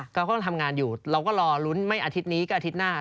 เขาก็ทำงานอยู่เราก็รอลุ้นไม่อาทิตย์นี้ก็อาทิตย์หน้า